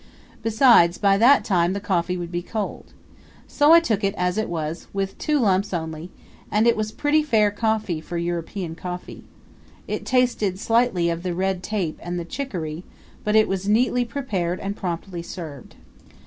Besides, by that time the coffee would be cold. So I took it as it was with two lumps only and it was pretty fair coffee for European coffee. It tasted slightly of the red tape and the chicory, but it was neatly prepared and promptly served.